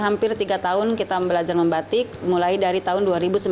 hampir tiga tahun kita belajar membatik mulai dari tahun dua ribu sembilan belas